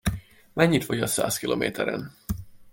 Mennyit fogyaszt száz kilométeren?